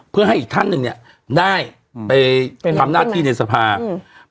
เพื่อให้อีกท่านหนึ่งเนี่ยได้ไปเป็นความหน้าที่ในสภาพอืม